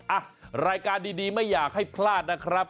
อ่ะรายการดีไม่อยากให้พลาดนะครับ